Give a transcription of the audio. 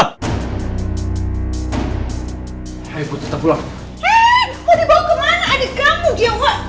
hai hai gue tetap lo mau dibawa kemana adik kamu